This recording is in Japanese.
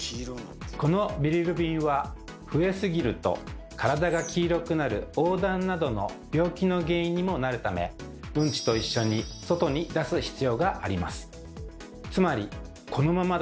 このビリルビンは増えすぎると体が黄色くなる黄疸などの病気の原因にもなるためうんちと一緒に外に出す必要があります。